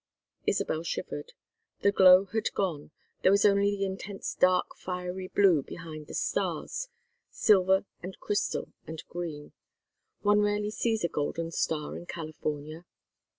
Isabel shivered. The glow had gone, there was only the intense dark fiery blue behind the stars silver and crystal and green; one rarely sees a golden star in California.